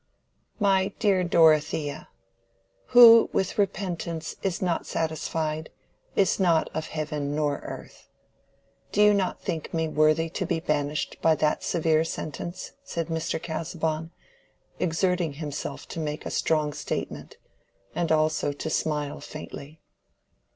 "My dear Dorothea—'who with repentance is not satisfied, is not of heaven nor earth:'—you do not think me worthy to be banished by that severe sentence," said Mr. Casaubon, exerting himself to make a strong statement, and also to smile faintly.